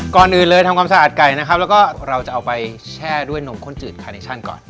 ก่อนอื่นเลยทำความสะอาดไก่นะครับแล้วก็เราจะเอาไปแช่ด้วยนมข้นจืดคาเนชั่นก่อน